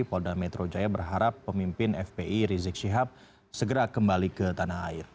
polda metro jaya berharap pemimpin fpi rizik syihab segera kembali ke tanah air